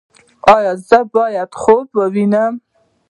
ایا زه باید خوب ووینم؟